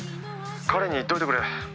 「彼に言っといてくれ。